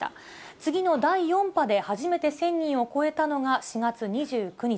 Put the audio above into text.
次の第４波で初めて１０００人を超えたのが４月２９日。